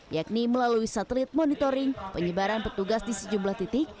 yakni melalui satelit monitoring penyebaran petugas di sejumlah titik